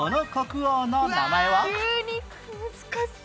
難しい。